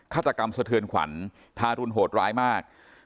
ฆาตกรรมสเถิญขวัญทาทุนโหดร้ายมาก